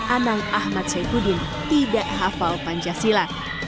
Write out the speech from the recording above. anang ahmad saifuddin tidak hafal pancasila